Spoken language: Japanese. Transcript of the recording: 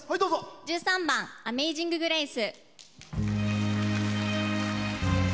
１３番「アメイジング・グレイス」。